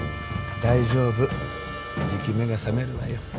大丈夫じき目が覚めるわよ